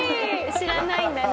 知らないんだね。